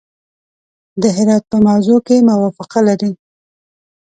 د هرات په موضوع کې موافقه لري.